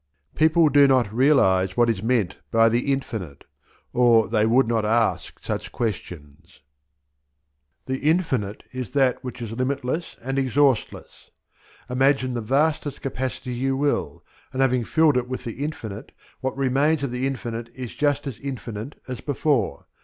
People do not realize what is meant by "the infinite," or they would not ask such questions. The infinite is that which is limitless and exhaustless. Imagine the vastest capacity you will, and having filled it with the infinite, what remains of the infinite is just as infinite as before.